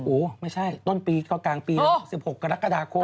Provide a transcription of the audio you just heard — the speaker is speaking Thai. โอ้โหไม่ใช่ต้นปีก็กลางปีแล้ว๑๖กรกฎาคม